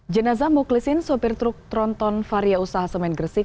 jenazah mukhlisin sopir truk tronton varia usaha semen gresik